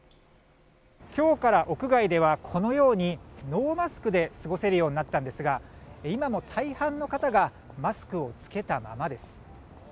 今日から屋外ではこのように、ノーマスクで過ごせるようになったんですが今も大半の方がマスクを着けたままです。